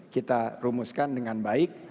kita rumuskan dengan baik